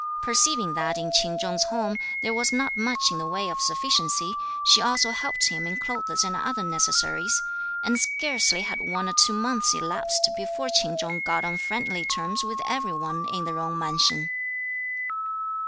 Perceiving that in Ch'in Chung's home there was not much in the way of sufficiency, she also helped him in clothes and other necessaries; and scarcely had one or two months elapsed before Ch'in Chung got on friendly terms with every one in the Jung mansion.